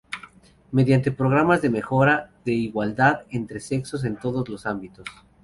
Mediante programas de mejora de la igualdad entre sexos en todos los ámbitos.